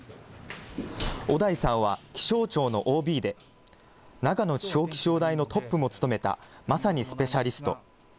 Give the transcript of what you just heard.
尾台さんは気象庁のＯＢで長野地方気象台のトップも務めたまさにスペシャリスト。